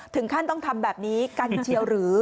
ถึงขั้นต้องทำแบบนี้กันเชียวหรือ